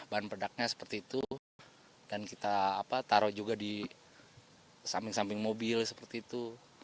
bahan pedaknya seperti itu dan kita taruh juga di samping samping mobil seperti itu